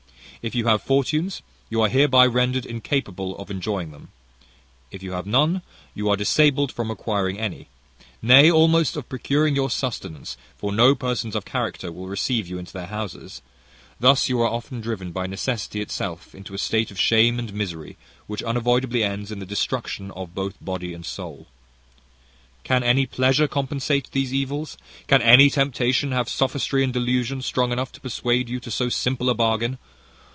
"If you have fortunes, you are hereby rendered incapable of enjoying them; if you have none, you are disabled from acquiring any, nay almost of procuring your sustenance; for no persons of character will receive you into their houses. Thus you are often driven by necessity itself into a state of shame and misery, which unavoidably ends in the destruction of both body and soul. "Can any pleasure compensate these evils? Can any temptation have sophistry and delusion strong enough to persuade you to so simple a bargain?